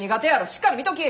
しっかり見とき！